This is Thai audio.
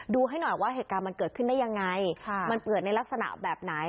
ให้หน่อยว่าเหตุการณ์มันเกิดขึ้นได้ยังไงมันเกิดในลักษณะแบบไหน